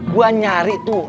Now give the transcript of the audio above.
gue nyari tuh